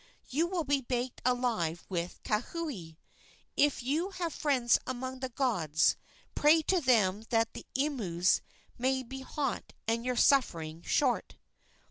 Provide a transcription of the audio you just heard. You will be baked alive with Kauhi! If you have friends among the gods, pray to them that the imus may be hot and your sufferings short!"